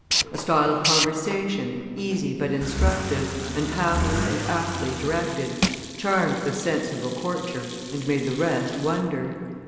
A style of conversation, easy but instructive, and happily and aptly directed, charmed the sensible courtier and made the rest wonder.